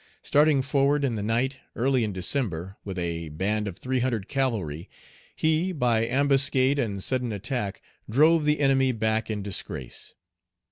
Starting forward in the night, early in December, with a band of three hundred cavalry, he, by ambuscade and sudden attack, drove the enemy back in disgrace.